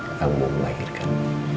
kamu mau melahirkan